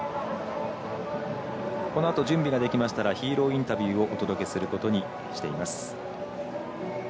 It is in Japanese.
このあと準備ができましたらヒーローインタビューをお届けすることにしています。